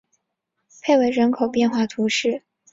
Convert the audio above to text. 佩维人口变化图示